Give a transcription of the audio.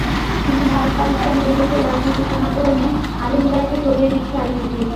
কিন্তু ভারত-পাকিস্তান দুই দেশের রাজনৈতিক টানাপোড়েনে আলিম দারকে সরিয়ে নিচ্ছে আইসিসি।